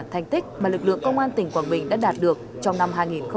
thành tích mà lực lượng công an tỉnh quảng bình đã đạt được trong năm hai nghìn hai mươi ba